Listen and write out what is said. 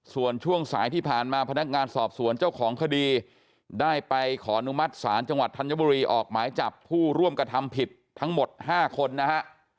ส่วนช่วงสายที่ผ่านมาพนักงานสอบสวนเจ้าของคดีได้ไปขอนุมัติศาลจังหวัดธัญบุรีออกหมายจับผู้ร่วมกระทำผิดทั้งหมด๕คนนะฮะ